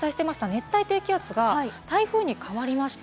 熱帯低気圧が台風に変わりました。